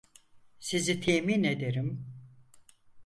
Sizi temin ederim.